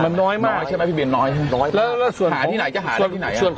แล้วส่วนของ